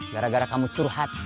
gara gara kamu curhat